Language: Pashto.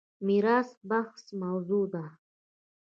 میراث بخت موضوع ده.